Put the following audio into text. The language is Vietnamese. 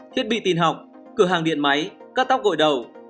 thiết bị tin học cửa hàng điện máy cắt tóc gội đầu